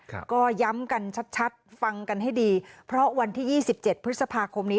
ก็ย้ำกันชัดชัดฟังกันให้ดีเพราะวันที่ยี่สิบเจ็ดพฤษภาคมนี้